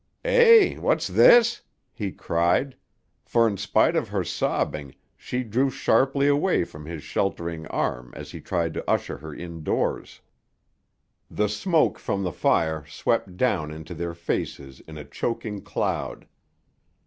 "Eh? What's this?" he cried, for in spite of her sobbing she drew sharply away from his sheltering arm as he tried to usher her indoors. The smoke from the fire swept down into their faces in a choking cloud.